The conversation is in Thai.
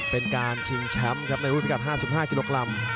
เป็นการชิงแชมป์ครับในรูปรีกราศ๕๕๐กิโลกรัม